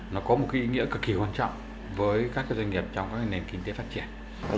nó có một ý nghĩa cực kỳ quan trọng với các doanh nghiệp trong các nền kinh tế phát triển